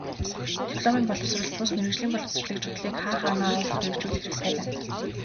Дипломын боловсрол бус, мэргэжлийн боловсролыг чухлыг хаа хаанаа ойлгож хэрэгжүүлэх хэрэгтэй байна.